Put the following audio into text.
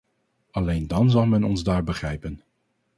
Alleen dan zal men ons daar begrijpen.